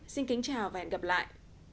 xin kính chào và hẹn gặp lại